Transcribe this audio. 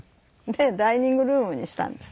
ダイニングルームにしたんです。